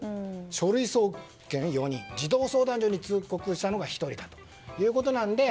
書類送検４人児童相談所に通告したのが１人ということなので